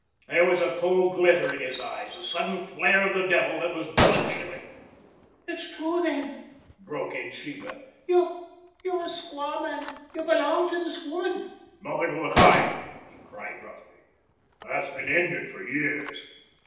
There was a cold glitter in his eyes, a sudden flare of the devil that was blood chilling. "It's true, then," broke in Sheba. "You're a a squawman. You belong to this woman." "Nothing of the kind," he cried roughly. "That's been ended for years."